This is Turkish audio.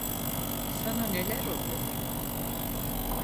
Sana neler oluyor?